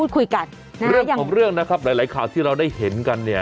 คู่กัดสมัครของ